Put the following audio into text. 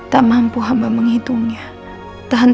taruh saya selamatkan